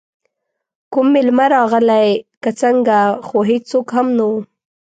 کوم میلمه راغلی که څنګه، خو هېڅوک هم نه وو.